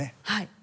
はい。